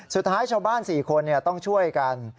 สุดท้ายชาวบ้าน๔คนต้องช่วยกัน